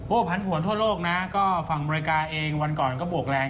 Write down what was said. ผันผวนทั่วโลกนะก็ฝั่งอเมริกาเองวันก่อนก็บวกแรง